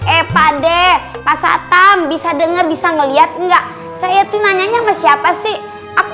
eh pade pasatam bisa denger bisa ngeliat enggak saya tuh nanyanya sama siapa sih aku